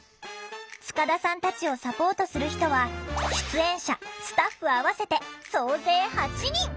塚田さんたちをサポートする人は出演者スタッフ合わせて総勢８人！